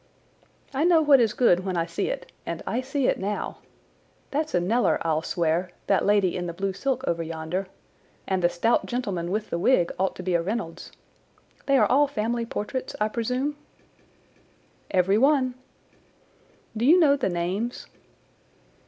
"I know what is good when I see it, and I see it now. That's a Kneller, I'll swear, that lady in the blue silk over yonder, and the stout gentleman with the wig ought to be a Reynolds. They are all family portraits, I presume?" "Every one." "Do you know the names?"